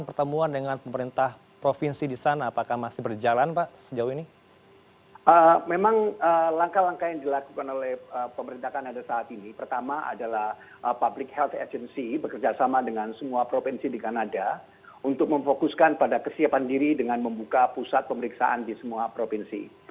pertama kanada saat ini pertama adalah public health agency bekerjasama dengan semua provinsi di kanada untuk memfokuskan pada kesiapan diri dengan membuka pusat pemeriksaan di semua provinsi